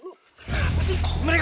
lo sudah bisa berhenti